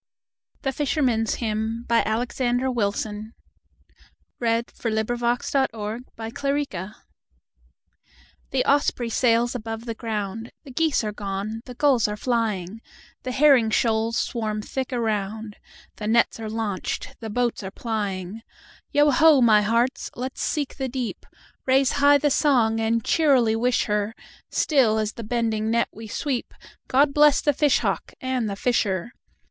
American Anthology, 1787–1900. 1900. By AlexanderWilson 20 The Fisherman's Hymn THE OSPREY sails above the sound, The geese are gone, the gulls are flying; The herring shoals swarm thick around, The nets are launched, the boats are plying; Yo ho, my hearts! let 's seek the deep, Raise high the song, and cheerily wish her, Still as the bending net we sweep,"God bless the fish hawk and the fisher!"